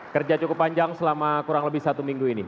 kerja cukup panjang selama kurang lebih satu minggu ini